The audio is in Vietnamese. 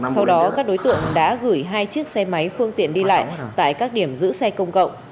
sau đó các đối tượng đã gửi hai chiếc xe máy phương tiện đi lại tại các điểm giữ xe công cộng